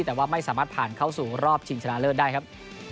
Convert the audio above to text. แต่ว่าไม่สามารถผ่านเข้าสู่รอบชิงชนะเลิศได้ครับ